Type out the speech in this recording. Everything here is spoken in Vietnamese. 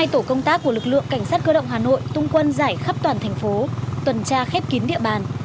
hai tổ công tác của lực lượng cảnh sát cơ động hà nội tung quân giải khắp toàn thành phố tuần tra khép kín địa bàn